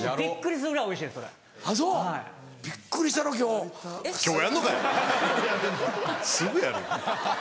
すぐやる。